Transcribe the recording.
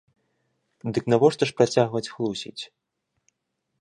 Дык навошта ж працягваць хлусіць?